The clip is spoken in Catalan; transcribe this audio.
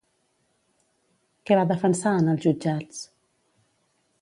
Què va defensar en els jutjats?